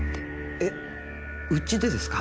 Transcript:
えっ！？うちでですか？